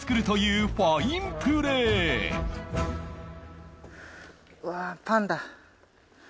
うわあパンだ。